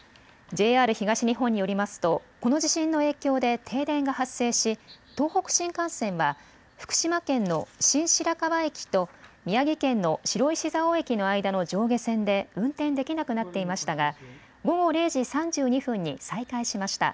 ＪＲ東日本によりますとこの地震の影響で停電が発生し東北新幹線は福島県の新白河駅と宮城県の白石蔵王駅の間の上下線で運転できなくなっていましたが午後０時３２分に再開しました。